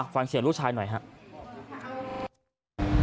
ฟังเสียงลูกชายหน่อยครับ